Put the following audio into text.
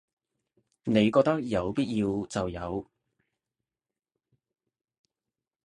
你覺得有必要就有